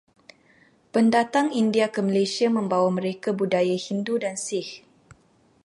Pendatang India ke Malaysia membawa mereka budaya Hindu dan Sikh.